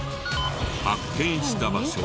発見した場所